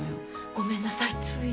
ごめんなさいつい。